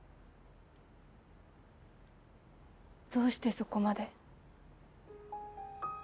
どうしてそこまで？